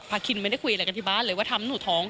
คินไม่ได้คุยอะไรกันที่บ้านเลยว่าทำให้หนูท้อง